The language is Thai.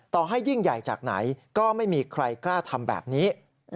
ต่อให้ยิ่งใหญ่จากไหนก็ไม่มีใครกล้าทำแบบนี้